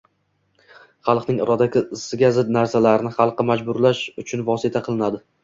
– xalqning irodasiga zid narsalarni xalqqa majburlash uchun vosita qilinadi.